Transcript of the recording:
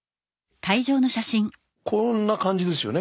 こんな感じですよね